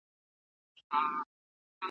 دا یو پخوانی کلتور و چي په ولس کي یې رېښې لرلې.